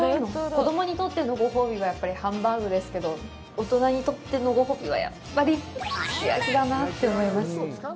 子供にとってのご褒美は、やっぱりハンバーグですけど、大人にとってのご褒美は、やっぱりすき焼きだなって思います。